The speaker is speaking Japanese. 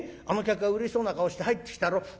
あの客はうれしそうな顔して入ってきたろ。